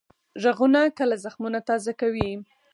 غږونه کله زخمونه تازه کوي